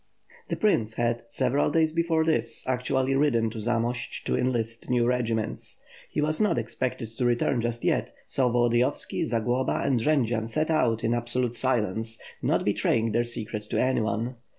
The prince had, several days before this, actually ridden to Zamost to enlist new regiments. He was not expected to re turn just yet, so Volodiyovski, Zagloba, and Jendzian set out in absolute silence, not betraying their secret to anyone.